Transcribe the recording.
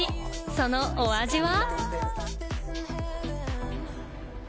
そのお味は。